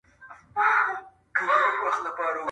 زلفي دانه، دانه پر سپين جبين هغې جوړي کړې.